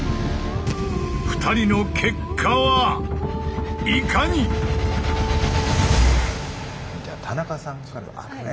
２人の結果はいかに⁉じゃあ田中さんからですかね。